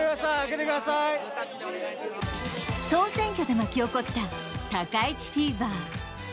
総選挙で巻き起こった高市フィーバー。